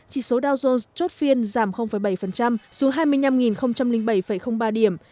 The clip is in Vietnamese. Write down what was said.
chỉ số dow jones trotfield giảm bảy xuống hai mươi năm bảy ba điểm